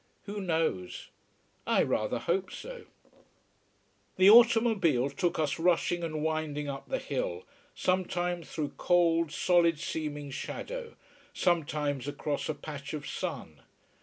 Who knows! I rather hope so. The automobile took us rushing and winding up the hill, sometimes through cold, solid seeming shadow, sometimes across a patch of sun.